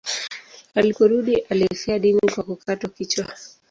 Aliporudi alifia dini kwa kukatwa kichwa.